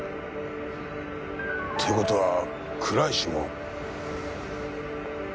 って事は倉石も。